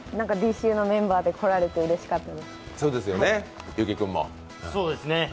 「ＤＣＵ」のメンバーで来られてうれしかったです。